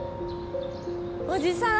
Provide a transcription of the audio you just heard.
おじさん？